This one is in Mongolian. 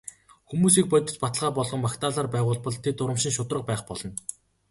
Хүмүүсийг бодит баталгаа болон магтаалаар байгуулбал тэд урамшин шударга байх болно.